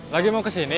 lagi mau ke siapa